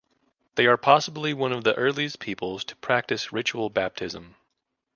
They are possibly one of the earliest peoples to practice ritual baptism.